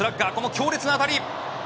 強烈な当たり！